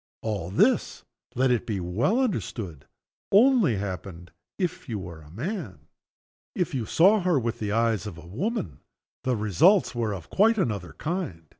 All this, let it be well understood, only happened if you were a man. If you saw her with the eyes of a woman, the results were of quite another kind.